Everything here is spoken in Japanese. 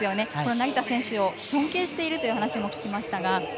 成田選手を尊敬しているという話も聞きましたが。